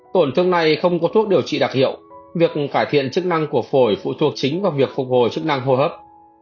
tổn thương này không có thuốc điều trị đặc hiệu việc cải thiện chức năng của phổi phụ thuộc chính vào việc phục hồi chức năng hô hấp